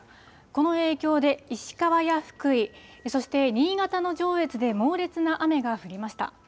この影響で、石川や福井、そして新潟の上越で猛烈な雨が降りました。